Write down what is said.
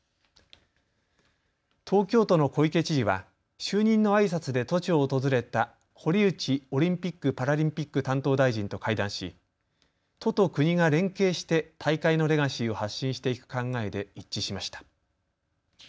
東京都の小池知事は就任のあいさつで都庁を訪れた堀内オリンピック・パラリンピック担当大臣と会談し都と国が連携して大会のレガシーを発信していく考えで一致しました。